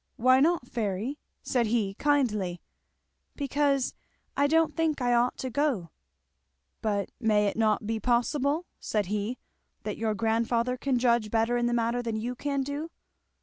"Why not, Fairy?" said he kindly. "Because I don't think I ought to go." "But may it not be possible," said he, "that your grandfather can judge better in the matter than you can do?"